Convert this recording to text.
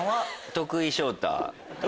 徳井昇太。